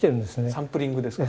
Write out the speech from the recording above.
サンプリングですね。